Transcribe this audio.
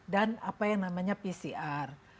dan apa yang namanya pcr